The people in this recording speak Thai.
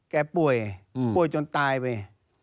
แกป่วยป่วยจนตายไป